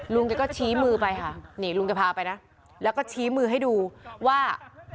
ลุงแกก็ชี้มือไปค่ะนี่ลุงแกพาไปนะแล้วก็ชี้มือให้ดูว่า